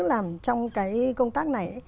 làm trong cái công tác này